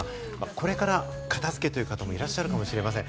これから片付けという方もいらっしゃるかもしれません。